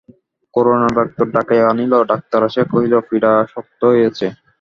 করুণা doctor ডাকাইয়া আনিল, doctor আসিয়া কহিল পীড়া শক্ত হইয়াছে।